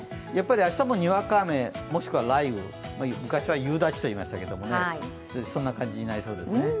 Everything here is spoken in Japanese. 明日もにわか雨、もしくは雷雨、昔は夕立といいましたが、そんな感じになりそうですね。